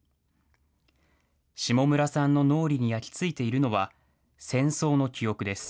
下村さんの脳裏に焼き付いているのは戦争の記憶です。